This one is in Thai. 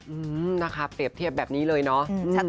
อืมนะคะเปรียบเทียบแบบนี้เลยเนาะ